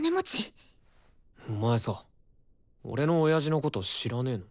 お前さ俺の親父のこと知らねの？